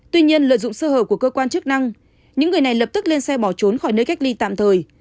tuy nhiên lợi dụng sơ hở của cơ quan chức năng những người này lập tức lên xe bỏ trốn khỏi nơi cách ly tạm thời